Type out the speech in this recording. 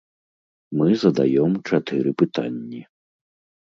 Мы задаём чатыры пытанні.